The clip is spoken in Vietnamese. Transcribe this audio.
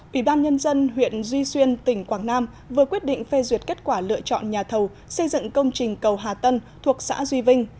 ủy ban nhân dân huyện duy xuyên tỉnh quảng nam vừa quyết định phê duyệt kết quả lựa chọn nhà thầu xây dựng công trình cầu hà tân thuộc xã duy vinh